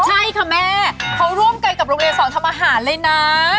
ใช่ค่ะแม่เขาร่วมกันกับโรงเรียนสอนทำอาหารเลยนะ